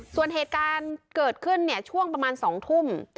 ส่วนเหตุการณ์เกิดขึ้นช่วงประมาณ๒ทุ่ม